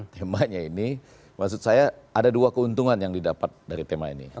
temanya ini maksud saya ada dua keuntungan yang didapat dari tema ini